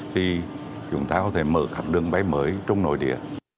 thì chúng ta có thể mở các đường bay mới trong nội địa